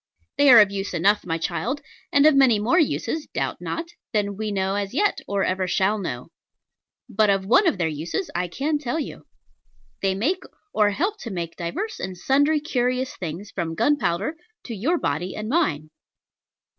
They are of use enough, my child; and of many more uses, doubt not, than we know as yet, or ever shall know. But of one of their uses I can tell you. They make, or help to make, divers and sundry curious things, from gunpowder to your body and mine.